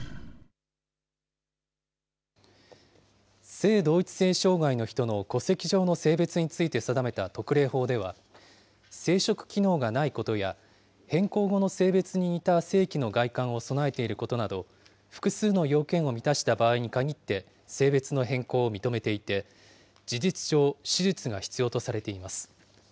性同一性障害の人の戸籍上の性別について定めた特例法では、生殖機能がないことや、変更後の性別に似た性器の外観を備えていることなど、複数の要件を満たした場合に限って、性別の変更を認めていて、事実上、手術が必要とされています。